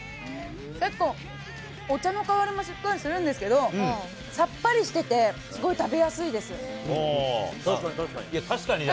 結構、お茶の香りもしっかりしてるんですけど、さっぱりしてて、すごい確かに確かに。